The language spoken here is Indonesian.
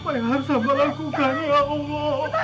apa yang harus aku lakukan ya allah